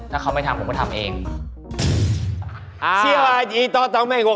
ถ้าเขาก็ไปทำผมจะไปทำอย่างนั้น